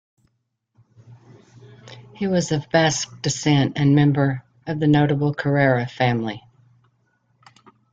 He was of Basque descent and member of the notable Carrera family.